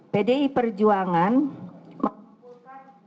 pdi perjuangan memimpinkan